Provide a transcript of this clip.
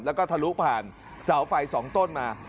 แล้วก็ทะลุผ่านเสาไฟ๒ต้นมา